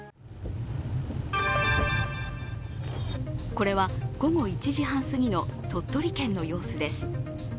これは午後１時半すぎの鳥取県の様子です。